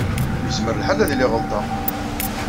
Yezmer lḥal ad iliɣ ɣelḍeɣ.